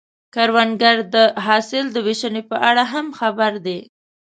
کروندګر د حاصل د ویشنې په اړه هم خبر دی